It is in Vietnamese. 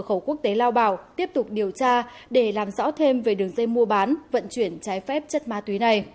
khẩu quốc tế lao bảo tiếp tục điều tra để làm rõ thêm về đường dây mua bán vận chuyển trái phép chất ma túy này